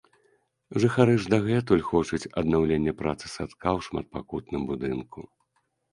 Жыхары ж дагэтуль хочуць аднаўлення працы садка ў шматпакутным будынку.